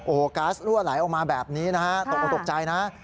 โอ้โหกาซรั่วไหลออกมาแบบนี้เลยนะฮะตกใจนะฮะ